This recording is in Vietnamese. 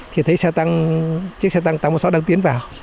thì thấy xe tăng chiếc xe tăng tám trăm một mươi sáu đang tiến vào